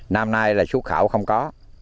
năm nay là xuất khảo không có